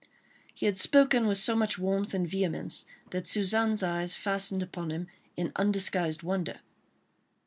He had spoken with so much warmth and vehemence that Suzanne's eyes fastened upon him in undisguised wonder.